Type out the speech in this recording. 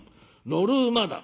乗る馬だ」。